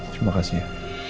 terima kasih ya